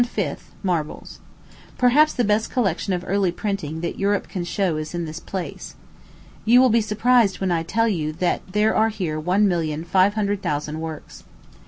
fifth, marbles. Perhaps the best collection of early printing that Europe can show is in this place. You will be surprised when I tell you that there are here one million five hundred thousand works.